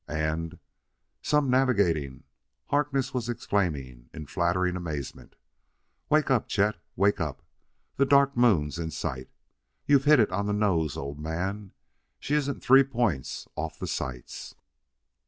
And: "Some navigating!" Harkness was exclaiming in flattering amazement. "Wake up, Chet! Wake up! The Dark Moon's in sight. You've hit it on the nose, old man: she isn't three points off the sights!"